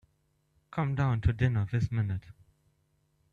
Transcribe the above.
Come down to dinner this minute.